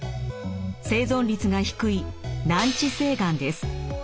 生存率が低い難治性がんです。